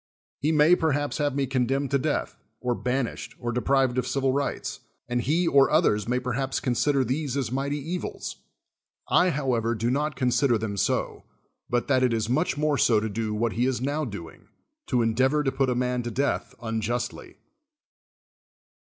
lie may j)erliups have me condemned to death, or 69 THE WORLD'S FAMOUS ORATIONS banished or deprived of civil rights, and he or others may perhaps consider these as mighty evils ; I, however, do not consider them so, but that it is much more so to do what he is now do ing — to endeavor to put a man to death unjustly.